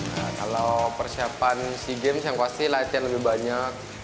kalau persiapan sea games yang pasti latihan lebih banyak